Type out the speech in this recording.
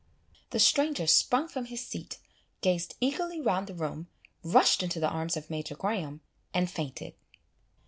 The stranger sprung from his seat, gazed eagerly round the room, rushed into the arms of Major Graham, and fainted.